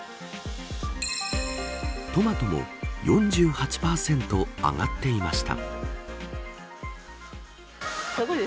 トマトも４８％上がっていました。